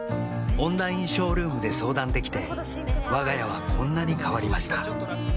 オンラインショールームで相談できてわが家はこんなに変わりました